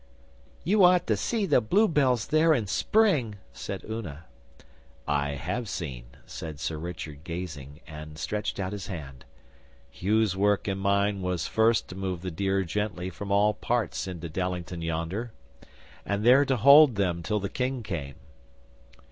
'You ought to see the bluebells there in Spring!' said Una. 'I have seen,' said Sir Richard, gazing, and stretched out his hand. 'Hugh's work and mine was first to move the deer gently from all parts into Dallington yonder, and there to hold them till the King came.